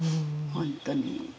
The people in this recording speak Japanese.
本当に。